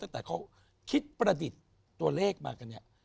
ตั้งแต่เขาคิดประดิษฐ์ตัวเลขมากันเนี่ย